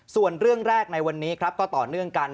ส่วนเรื่องแรกในวันนี้ครับก็ต่อเนื่องกัน